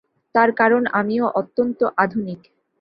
তার কারণ আমিও অত্যন্ত আধুনিক!